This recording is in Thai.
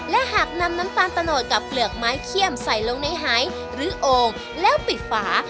และหากนำน้ำตาลตะโนดกับเปลือกไม้เขี้ยมใส่ลงในหายหรือโอ่งแล้วปิดฝา